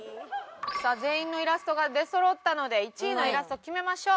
さあ全員のイラストが出そろったので１位のイラストを決めましょう。